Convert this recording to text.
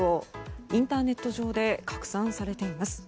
インターネット上で拡散されています。